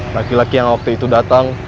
laki laki yang waktu itu datang